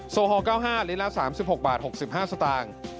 โอฮอล๙๕ลิตรละ๓๖บาท๖๕สตางค์